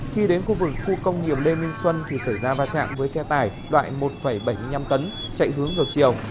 khi đến khu vực khu công nghiệp lê minh xuân thì xảy ra va chạm với xe tải loại một bảy mươi năm tấn chạy hướng ngược chiều